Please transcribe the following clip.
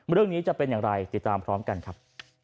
เรื่องนี้จะเป็นอย่างไรติดตามพร้อมกันครับ